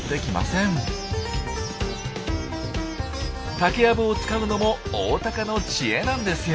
竹やぶを使うのもオオタカの知恵なんですよ。